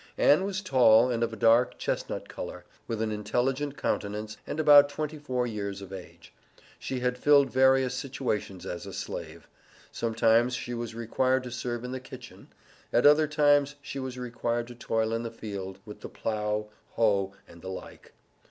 Ann was tall, and of a dark chestnut color, with an intelligent countenance, and about twenty four years of age. She had filled various situations as a Slave. Sometimes she was required to serve in the kitchen, at other times she was required to toil in the field, with the plow, hoe, and the like.